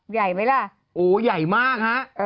โอ้เหรอใหญ่มาก